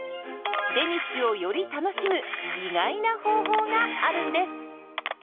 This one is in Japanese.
デニッシュをより楽しむ意外な方法があるんです。